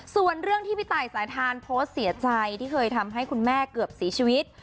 ส่วนเรื่องที่พี่ตายสายทานโพสต์เสียใจที่เคยทำให้คุณแม่เกือบเสียชีวิต